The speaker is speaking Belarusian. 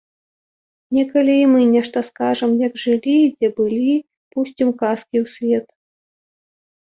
Некалі і мы нешта скажам, як жылі, дзе былі, пусцім казкі ў свет.